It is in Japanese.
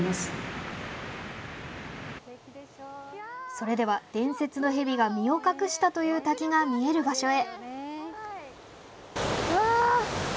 それでは伝説の蛇が身を隠したという滝が見える場所へ。